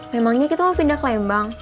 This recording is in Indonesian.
memangnya kita pindah ke lembang